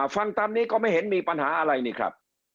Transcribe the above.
ฟังตามนี้ก็ไม่เห็นมีปัญหาอะไรนี่ครับ